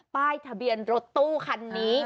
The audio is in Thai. ป้ายทะเบียนรถตู้คันนี้